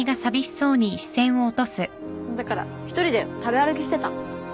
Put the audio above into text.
だから１人で食べ歩きしてた。